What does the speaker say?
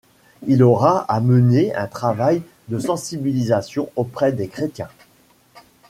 Il aura à mener un travail de sensibilisation auprès des chrétiens.